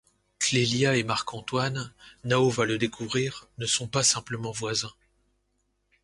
Clélia et Marc-Antoine – Nao va le découvrir – ne sont pas simplement voisins.